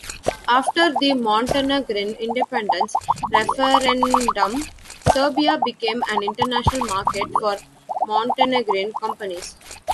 After the Montenegrin independence referendum, Serbia became an international market for Montenegrin companies.